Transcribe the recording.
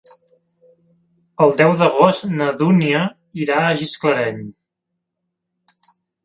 El deu d'agost na Dúnia irà a Gisclareny.